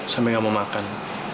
sampai gak mau makan